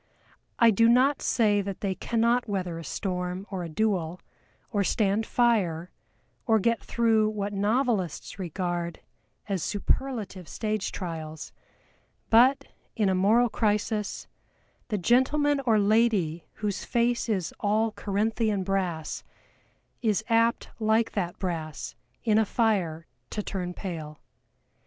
I do not say that they cannot weather a storm or a duel, or stand fire, or get through what novelists regard as superlative stage trials; but, in a moral crisis, the gentleman or lady whose face is all Corinthian brass is apt like that brass in a fire to turn pale.